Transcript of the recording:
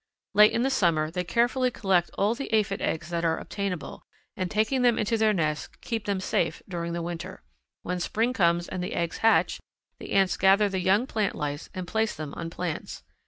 Late in the summer they carefully collect all the aphid eggs that are obtainable, and taking them into their nests keep them safe during the winter. When spring comes and the eggs hatch, the ants gather the young plant lice and place them on plants.